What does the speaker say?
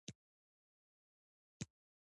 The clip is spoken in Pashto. ازادي راډیو د سوله په اړه د خلکو احساسات شریک کړي.